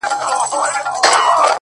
اوس مي د زړه پر تكه سپينه پاڼه ـ